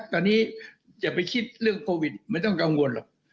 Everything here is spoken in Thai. ตอนนี้อย่าไปคิดเรื่องโควิดไม่ต้องกังวลหรอก